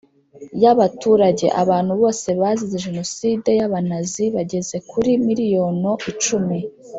y abaturage Abantu bose bazize Jenoside y Abanazi bageze kuri miliyono icumi